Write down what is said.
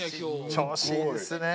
調子いいですね。